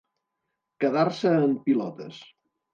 Quedar-se en pilotes.